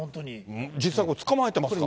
実際これ、捕まえてますから。